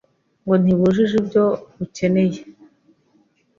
ngo ntibujuje ibyo ukeneye,